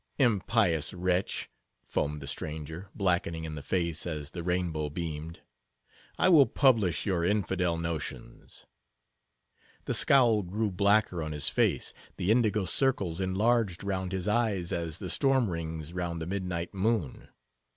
"Impious wretch!" foamed the stranger, blackening in the face as the rainbow beamed, "I will publish your infidel notions." The scowl grew blacker on his face; the indigo circles enlarged round his eyes as the storm rings round the midnight moon.